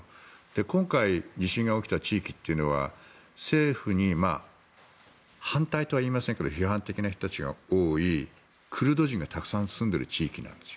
今回地震が起きた地域というのは政府に反対とは言いませんが批判的な人が多いクルド人がたくさん住んでいる地域なんですよ。